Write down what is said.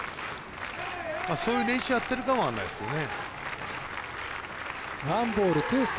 そういう練習やってるかも分かんないですね。